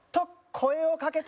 声をかけた！